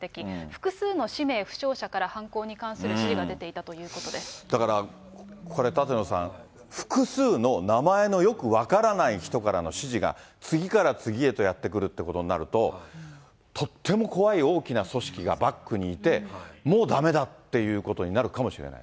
複数の氏名不詳者から、犯行に関する指示が出ていたということでだから、これ、舘野さん、複数の名前のよく分からない人からの指示が、次から次へとやって来るってことになると、とっても怖い大きな組織がバックにいて、もうだめだっていうことになるかもしれない。